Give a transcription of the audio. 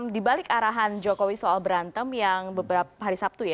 di balik arahan jokowi soal berantem yang beberapa hari sabtu ya